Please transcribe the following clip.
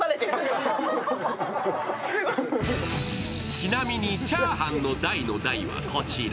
ちなみにチャーハンの大の大はこちら。